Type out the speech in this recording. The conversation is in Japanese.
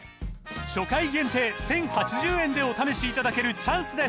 初回限定１，０８０円でお試しいただけるチャンスです